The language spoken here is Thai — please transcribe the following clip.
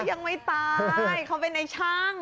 ยังไม่ตายเขาเป็นไอ้ชั่ง